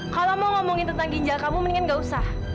kalau mau ngomongin tentang ginjal kamu mendingan gak usah